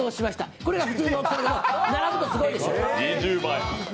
これが普通の大きさなので並ぶとすごいでしょ。